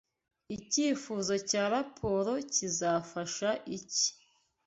Icyifuzo cya raporo kizafasha iki